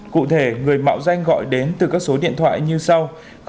cụ thể người mạo danh gọi đến từ các số điện thoại như sau